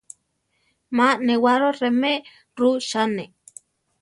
Má newaro remé rutzane.